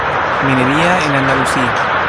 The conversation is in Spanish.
Minería en Andalucía